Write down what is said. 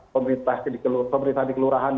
pemerintah di kelurahan